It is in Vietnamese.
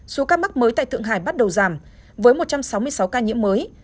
số ca mắc mới tại thượng hải bắt đầu giảm với một trăm sáu mươi sáu ca nhiễm mới